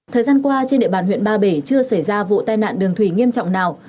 thời gian qua trên địa bàn huyện ba bể chưa xảy ra vụ tai nạn đường thủy nghiêm trọng nào